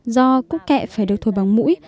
do cúc kệ phải được thổi bằng mũi